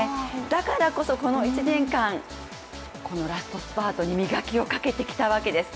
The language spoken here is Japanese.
だからこそこの１年間、このラストスパートに磨きをかけてきたわけです。